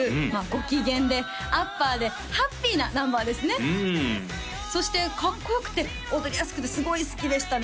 ご機嫌でアッパーでハッピーなナンバーですねうんそしてかっこよくて踊りやすくてすごい好きでしたね